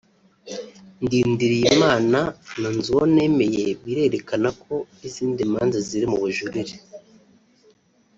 Ndindiriyimana na Nzuwonemeye birerekana ko n’izindi manza ziri mu bujurire